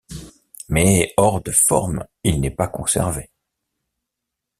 Mais, hors de forme, il n'est pas conservé.